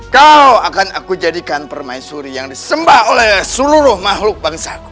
kau akan aku jadikan permaisuri yang disembah oleh seluruh makhluk bangsaku